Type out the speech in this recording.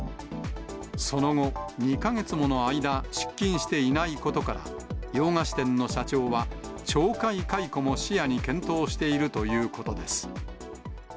その後、２か月もの間、出勤していないことから、洋菓子店の社長は懲戒解雇も視野に検討しているということです。